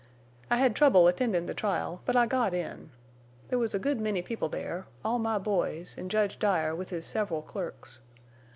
"I hed trouble attendin' the trial, but I got in. There was a good many people there, all my boys, an' Judge Dyer with his several clerks.